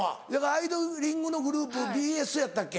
アイドリング！！！のグループＢＳやったっけ？